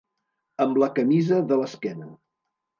Amb la camisa de l'esquena.